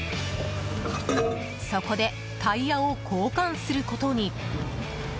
そこで、タイヤを交換することに。